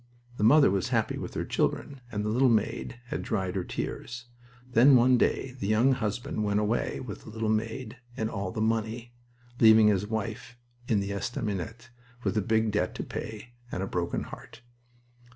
The mother was happy with her children, and the little maid had dried her tears. Then one day the young husband went away with the little maid and all the money, leaving his wife in the estaminet with a big debt to pay and a broken heart.